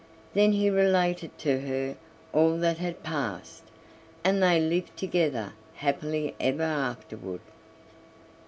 Then he related to her all that had passed, and they lived together happily ever afterward.